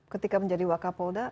ketika menjadi wakapolda